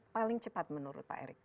paling cepat menurut pak erick